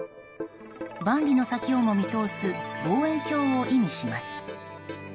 万里の先をも見通す望遠鏡を意味します。